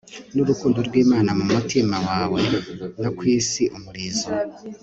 Nurukundo rwImana mu mutima wawe no ku isi umurizo